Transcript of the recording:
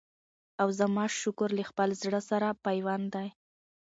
او زما شکر له خپل زړه سره پیوند دی